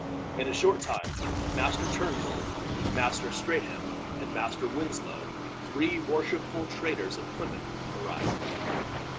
In a short time Master Turnbull, Master Streatham, and Master Winslow, three worshipful traders of Plymouth, arrived.